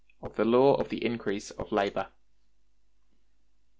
Of The Law Of The Increase Of Labor.